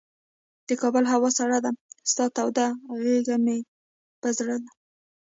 د کابل هوا سړه ده، ستا توده غیږ مه په زړه ده